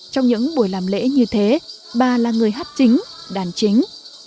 trong những buổi làm lễ như thế bà là người hát chính đàn chính